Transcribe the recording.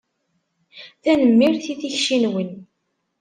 Tanemmirt i tikci-nwen.